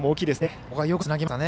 ここはよくつなぎましたね。